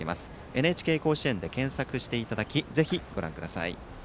ＮＨＫ甲子園で検索してぜひご覧ください。